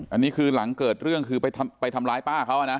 อันนี้คือหลังเกิดเรื่องคือไปทำร้ายป้าเขานะ